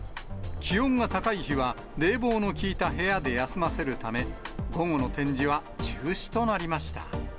気温が高い日は、冷房の効いた部屋で休ませるため、午後の展示は中止となりました。